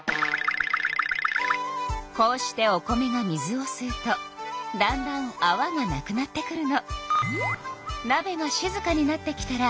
こうしてお米が水をすうとだんだんあわがなくなってくるの。